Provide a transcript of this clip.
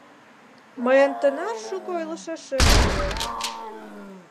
Мыйын тынар шуко ойлышашем уло.